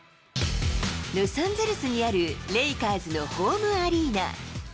ロサンゼルスにあるレイカーズのホームアリーナ。